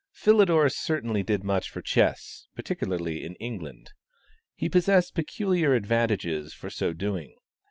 Philidor certainly did much for chess, particularly in England. He possessed peculiar advantages for so doing.